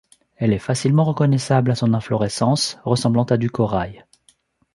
Elle est facilement reconnaissable à son inflorescence ressemblant à du corail.